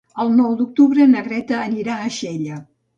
El nou d'octubre na Greta anirà a Xella.